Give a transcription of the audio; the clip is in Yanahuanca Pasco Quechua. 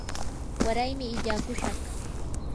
waraymi illaakushaq.